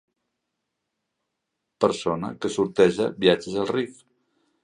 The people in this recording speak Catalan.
Persona que sorteja viatges al Riff.